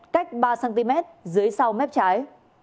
cách ba cm dưới sau mép trái